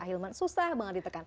kak hilman susah banget ditekan